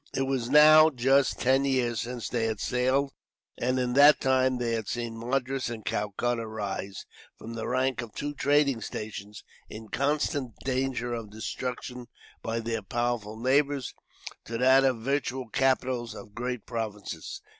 It was now just ten years since they had sailed, and in that time they had seen Madras and Calcutta rise, from the rank of two trading stations, in constant danger of destruction by their powerful neighbours, to that of virtual capitals of great provinces.